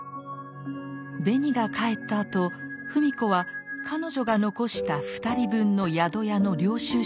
ベニが帰ったあと芙美子は彼女が残した２人分の宿屋の領収書を見つけます。